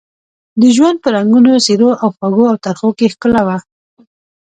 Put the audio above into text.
د ژوند په رنګونو، څېرو او خوږو او ترخو کې ښکلا وه.